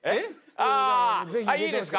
あいいですか？